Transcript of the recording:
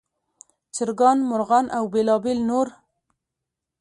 چرګان، مرغان او بېلابېل نور.